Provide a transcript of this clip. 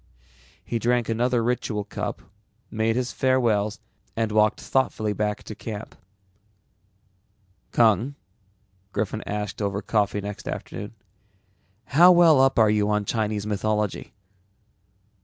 He drank another ritual cup, made his farewells and walked thoughtfully back to camp. "Kung," Griffin asked over coffee next afternoon, "how well up are you on Chinese mythology?"